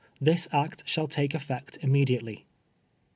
Tliis act shall take effect immediately.